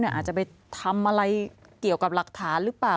อาจจะไปทำอะไรเกี่ยวกับหลักฐานหรือเปล่า